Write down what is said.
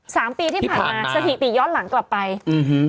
สามปีที่ผ่านมาสถิติย้อนหลังกลับไปอื้อฮือ